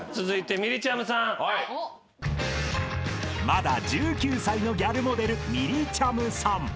［まだ１９歳のギャルモデルみりちゃむさん］